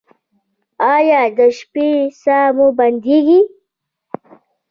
ایا د شپې ساه مو بندیږي؟